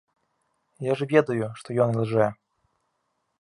Я ж ведаю, што ён ілжэ.